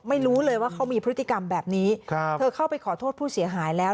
ไม่รู้เลยว่าเขามีพฤติกรรมแบบนี้ครับเธอเข้าไปขอโทษผู้เสียหายแล้ว